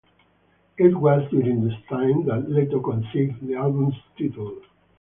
It was during this time that Leto conceived the album's title.